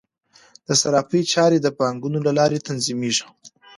د صرافۍ چارې د بانکونو له لارې تنظیمیږي.